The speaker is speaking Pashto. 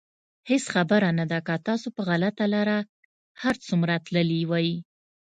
هېڅ خبره نه ده که تاسو په غلطه لاره هر څومره تللي وئ.